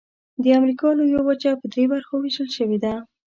د امریکا لویه وچه په درې برخو ویشل شوې ده.